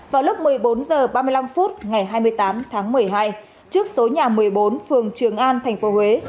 vào lúc một mươi bốn h ba mươi năm phút ngày hai mươi tám tháng một mươi hai trước số nhà một mươi bốn phường trường an tp huế